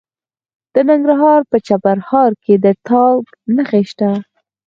د ننګرهار په چپرهار کې د تالک نښې شته.